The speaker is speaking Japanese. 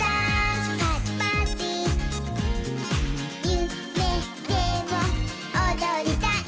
「ゆめでもおどりたい」